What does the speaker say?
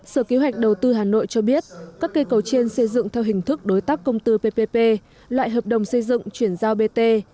sở kế hoạch đầu tư hà nội cho biết các cây cầu trên xây dựng theo hình thức đối tác công tư ppp loại hợp đồng xây dựng chuyển giao bt